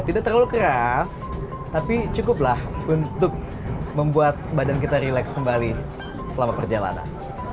tidak terlalu keras tapi cukuplah untuk membuat badan kita relax kembali selama perjalanan